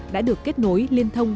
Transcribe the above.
đã được kết nối liên thông